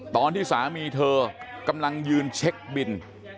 ตอนที่สามีเธอกำลังยืนเช็คบิน